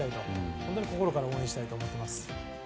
本当に心から応援したいと思います。